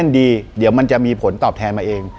ดีเดี๋ยวมันจะมีผลตอบแทนมาเอง